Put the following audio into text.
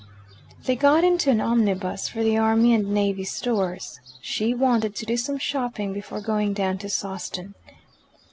They got into an omnibus for the Army and Navy Stores: she wanted to do some shopping before going down to Sawston.